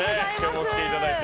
来ていただいて。